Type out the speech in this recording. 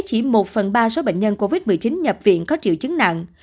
chỉ một phần ba số bệnh nhân covid một mươi chín nhập viện có triệu chứng nặng